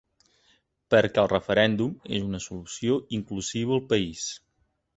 Perquè el referèndum és una solució inclusiva al país.